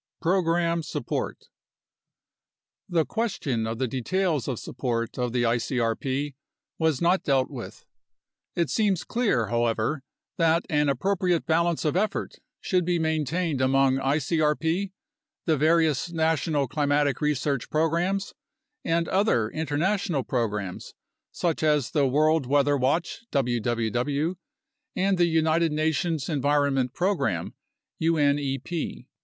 Program Support The question of the details of support of the icrp was not dealt with. It seems clear, however, that an appropriate balance of effort should be maintained among icrp, the various national climatic research pro grams, and other international programs such as the World Weather Watch (www) and the United Nations Environment Program (unep).